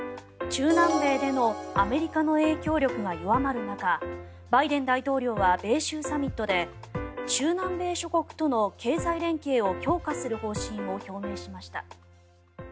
中南米でのアメリカの影響力が弱まる中バイデン大統領は米州サミットで中南米諸国との経済連携を強化する方針を表明しました。